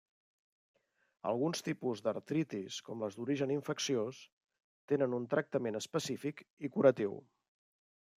Alguns tipus d'artritis, com les d'origen infecciós, tenen un tractament específic i curatiu.